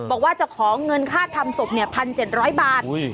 บอกว่าจะของเงินค่าทำศพเนี่ย๑๗๐๐บาทอุ้ย